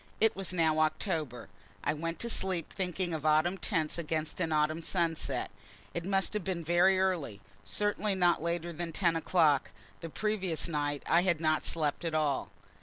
It was now October. I went to sleep thinking of autumn tints against an autumn sunset. It must have been very early, certainly not later than ten o'clock; the previous night I had not slept at all.